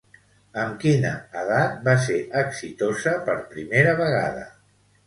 Amb quina edat va ser exitosa per primera vegada?